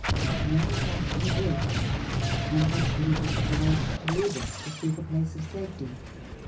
An hour after her birth my husband was obliged to leave us to seek a place of safety.